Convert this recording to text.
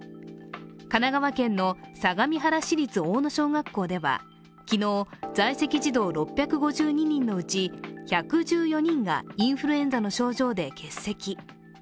神奈川県の相模原市立大野小学校では昨日、在籍児童６５２人のうち１１４人がインフルエンザの症状で欠席。